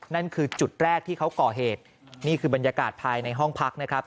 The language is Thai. นั่นคือจุดแรกที่เขาก่อเหตุนี่คือบรรยากาศภายในห้องพักนะครับ